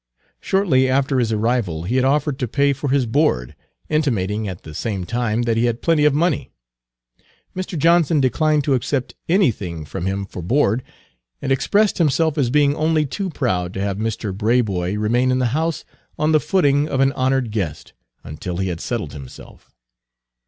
Shortly after his arrival, he had offered to pay for his board, intimating at the same time that he had plenty of money. Mr. Johnson declined to accept anything from him for board, and expressed himself as being only too proud to have Mr. Braboy remain in the house on the footing of an honored guest, until he had settled himself.